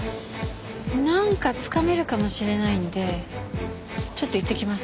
なんかつかめるかもしれないんでちょっと行ってきます。